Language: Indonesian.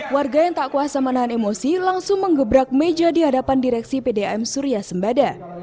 warga yang tak kuasa menahan emosi langsung mengebrak meja di hadapan direksi pdam surya sembada